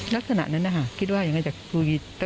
ลักษณะนั้นคิดว่าอย่างไรจะคุย